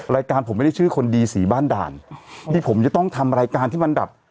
รายการผมไม่ได้ชื่อคนดีสีบ้านด่านที่ผมจะต้องทำรายการที่มันแบบ